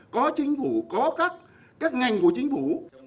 có chính phủ có các ngành của chính phủ